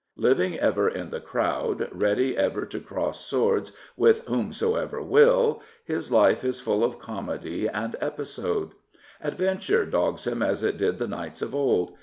Living ever in the crowd, ready 292 John Burns ever to cross swords with whomsoever will, his life Is full of comedy ahd episode. Adventure dogs him as it did the knights of old.